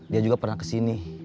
dia juga pernah kesini